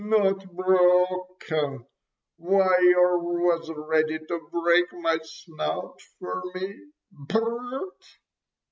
"Not broken! Why yer was ready to break my snout for me. Brute!"